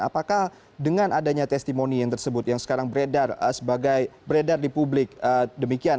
apakah dengan adanya testimoni yang tersebut yang sekarang beredar sebagai beredar di publik demikian